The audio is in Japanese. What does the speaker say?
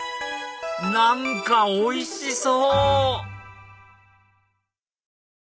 何かおいしそう！